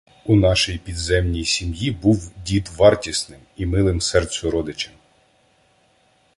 У нашій "підземній сім'ї" був дід вартісним і милим серцю родичем.